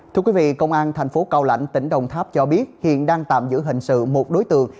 thưa quý vị công an thành phố cao lãnh tỉnh đồng tháp cho biết hiện đang tạm giữ hình sự một đối tượng